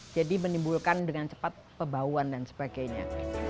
jadi menimbulkan dengan cepat pebauan dan sebagainya